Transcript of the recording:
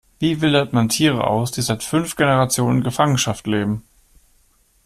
Wie wildert man Tiere aus, die seit fünf Generationen in Gefangenschaft leben?